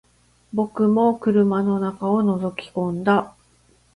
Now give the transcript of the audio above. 僕も車の中を覗き込んだ